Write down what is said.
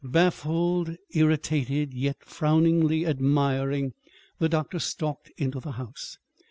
Baffled, irritated, yet frowningly admiring, the doctor stalked into the house.